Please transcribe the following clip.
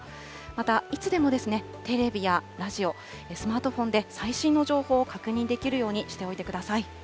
また、いつでもテレビやラジオ、スマートフォンで最新の情報を確認できるようにしておいてください。